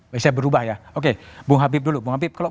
bisa berubah ya oke bu habib dulu